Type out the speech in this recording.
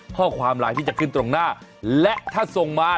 ข้อความไลน์ที่จะขึ้นตรงหน้าและถ้าส่งมา